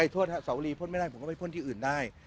ทวดศาวรีพ่นไม่ได้ผมก็ไปพ่นที่อื่นได้